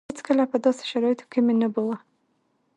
هېڅکله په داسې شرايطو کې مې نه بوه.